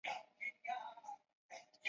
明朝军事将领。